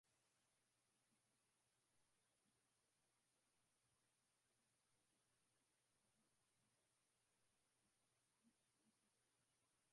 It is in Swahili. Katika jamii isiyopenda mabadikilo lakini aliweza kuishi Fatuma Binti Baraka anaefahamika kama Bi Kidude